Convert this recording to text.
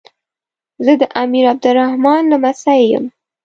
زه د امیر عبدالرحمان لمسی یم.